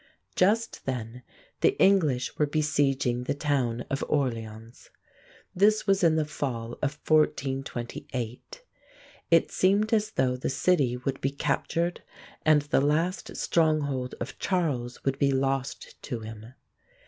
Just then the English were besieging the town of Orléans. This was in the fall of 1428. It seemed as though the city would be captured and the last stronghold of Charles would be lost to him.